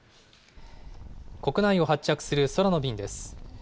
国内を発着する空の便です。